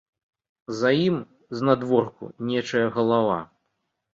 За ім, знадворку, нечая галава.